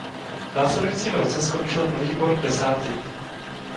V následujícím roce skončil Nový Bor desátý.